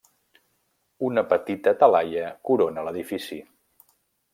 Una petita talaia corona l'edifici.